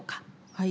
はい。